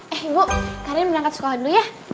eh ibu karin mau naik ke sekolah dulu ya